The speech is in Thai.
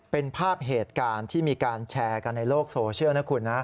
เป็นภาพเหตุการณ์ที่มีการแชร์กันในโลกโซเชียลนะคุณนะ